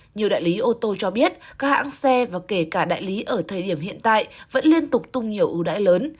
nhiều đại lý ô tô cho biết các hãng xe và kể cả đại lý ở thời điểm hiện tại vẫn liên tục tung nhiều ưu đại lớn